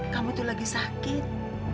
kamu itu lagi sakit